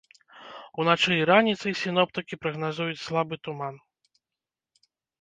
Уначы і раніцай сіноптыкі прагназуюць слабы туман.